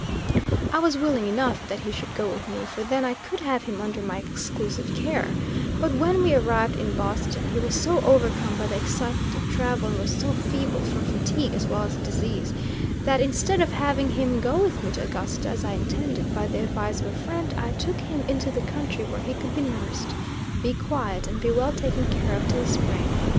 I was willing enough that he should go with me, for then I could have him under my exclusive care; but when we arrived in Boston he was so overcome by the excitement of travel, and was so feeble from fatigue as well as disease, that instead of having him go with me to Augusta, as I intended, by the advice of a friend I took him into the country where he could be nursed, be quiet, and be well taken care of till spring.